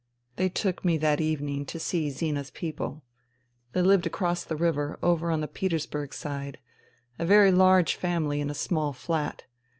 They took me that evening to see Zina's people. They lived across the river, over on the Petersburg side, a very large family in a small flat.